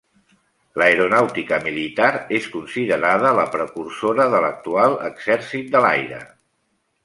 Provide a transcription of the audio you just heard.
L'Aeronàutica militar és considerada la precursora de l'actual Exèrcit de l'Aire.